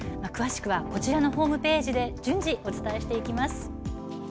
詳しくはこちらのホームページで順次、お伝えしていきます。